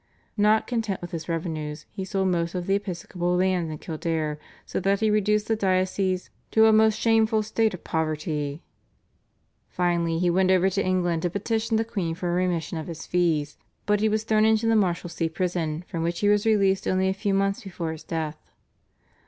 Not content with his revenues, he sold most of the episcopal lands in Kildare so that he reduced the diocese "to a most shameful state of poverty." Finally, he went over to England to petition the queen for a remission of his fees, but he was thrown into the Marshalsea prison from which he was released only a few months before his death.